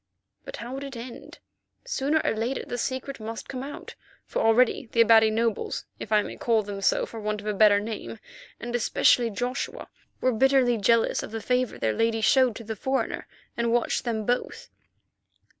But how would it end? Sooner or later the secret must come out, for already the Abati nobles, if I may call them so for want of a better name, and especially Joshua, were bitterly jealous of the favour their lady showed to the foreigner, and watched them both.